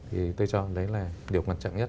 thì tôi cho đấy là điều quan trọng nhất